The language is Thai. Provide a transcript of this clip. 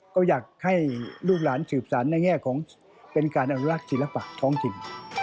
ก็อยากให้ลูกหลานสืบสารในแง่ของเป็นการอนุรักษ์ศิลปะท้องถิ่น